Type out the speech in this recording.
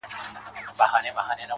o اې ه سترگو کي کينه را وړم.